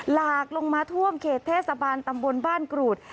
หลากลงมาท่วมเขตเทศบาลตำบลบ้านกรูด